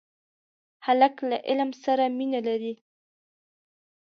هلک له علم سره مینه لري.